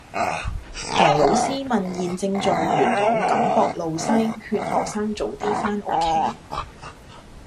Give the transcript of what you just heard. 何老師問現正在元朗錦壆路西勸學生早啲返屋企